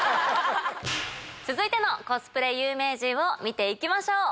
続いてのコスプレ有名人を見て行きましょう。